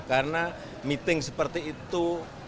karena meeting seperti itu